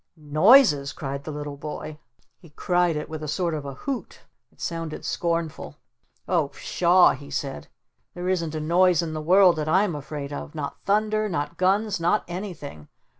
"Noises?" cried the little boy. He cried it with a sort of a hoot. It sounded scornful. "Oh pshaw!" he said. "There isn't a noise in the world that I'm afraid of! Not thunder! Not guns! Not ANYTHING!